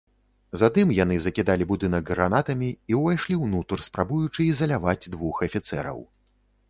Затым яны закідалі будынак гранатамі і ўвайшлі ўнутр, спрабуючы ізаляваць двух афіцэраў.